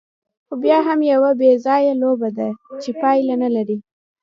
خو بیا هم یوه بېځایه لوبه ده، چې پایله نه لري.